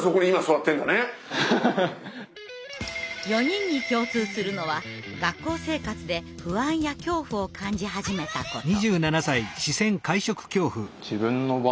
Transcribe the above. ４人に共通するのは学校生活で不安や恐怖を感じ始めたこと。